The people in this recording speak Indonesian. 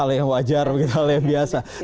hal yang wajar begitu hal yang biasa